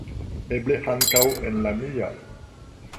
Eble, ankaŭ en la mia.